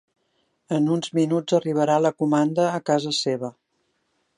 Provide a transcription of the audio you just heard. En uns minuts arribarà la comanda a casa seva.